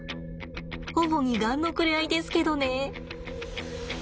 主にガンのくれあいですけどね。